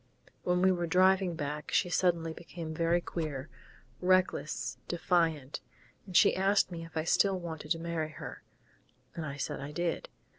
When we were driving back she suddenly became very queer reckless, defiant.... And she asked me if I still wanted to marry her, and I said I did.